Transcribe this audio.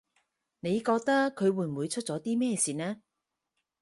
你覺得佢會唔會出咗啲咩事呢